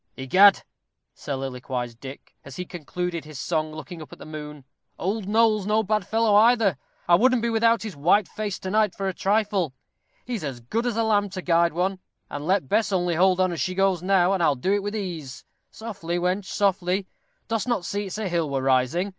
"Egad," soliloquized Dick, as he concluded his song, looking up at the moon. "Old Noll's no bad fellow, either. I wouldn't be without his white face to night for a trifle. He's as good as a lamp to guide one, and let Bess only hold on as she goes now, and I'll do it with ease. Softly, wench, softly dost not see it's a hill we're rising.